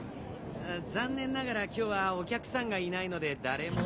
残念ながら今日はお客さんがいないので誰も。